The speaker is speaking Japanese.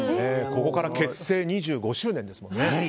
ここから結成２５周年ですから。